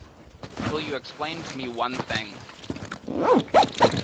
Will you explain to me one thing?